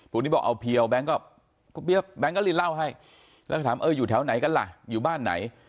วันนี้บอกเอาเพียวแบงค์ก็แบงค์ก็ลินเล่าให้แล้วถามเอออยู่แถวไหนกันล่ะอยู่บ้านไหน